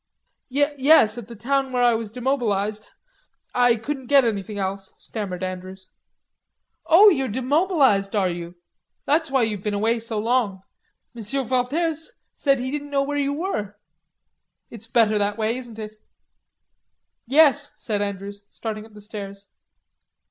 "Yes, at the town where I was demobilized, I couldn't get anything else," stammered Andrews. "Oh, you're demobilized, are you? That's why you've been away so long. Monsieur Valters said he didn't know where you were.... It's better that way, isn't it?" "Yes," said Andrews, starting up the stairs.